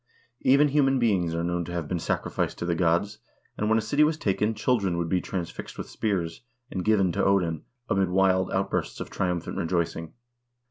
Even human beings are known to have been sacrificed to the gods, and when a city was taken, children would be transfixed with spears, and "given to Odin" amid wild outbursts of triumphant rejoicing.